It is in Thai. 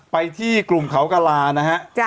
ไปที่กลุ่มเขากระลานะฮะ